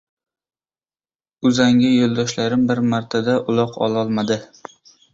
Uzangi yo‘ldoshlarim bir marta-da uloq ololmadi.